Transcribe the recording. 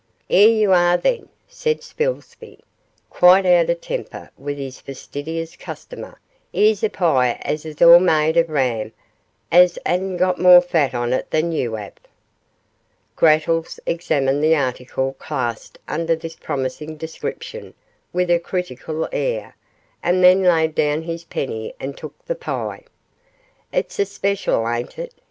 ''Ere y'are, then,' said Spilsby, quite out of temper with his fastidious customer; ''ere's a pie as is all made of ram as 'adn't got more fat on it than you 'ave.' Grattles examined the article classed under this promising description with a critical air, and then laid down his penny and took the pie. 'It's a special, ain't it?